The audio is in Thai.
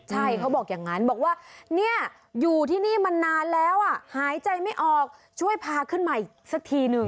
ใช่เขาบอกอย่างนั้นบอกว่าเนี่ยอยู่ที่นี่มานานแล้วอ่ะหายใจไม่ออกช่วยพาขึ้นมาอีกสักทีหนึ่ง